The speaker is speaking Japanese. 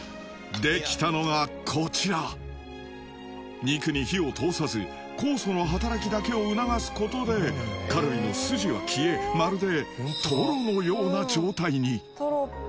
できたのがこちら肉に火を通さず酵素の働きだけを促すことでカルビの筋は消えまるでトロみたい。